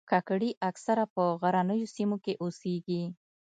کاکړي اکثره په غرنیو سیمو کې اوسیږي.